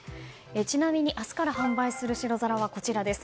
ちなみに、明日から販売する白皿はこちらです。